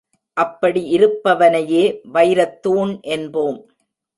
அப்படி இருப்பவனையே வைரத்தூண் என்போம்.